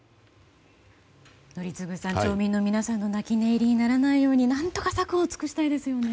宜嗣さん、町民の皆さんが泣き寝入りにならないよう何とか策を尽くしたいですよね。